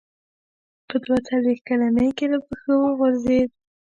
په دوه څلوېښت کلنۍ کې له پښو وغورځېد.